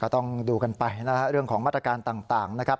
ต้องดูกันไปนะครับเรื่องของมาตรการต่างนะครับ